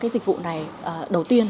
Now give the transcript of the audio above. dịch vụ này đầu tiên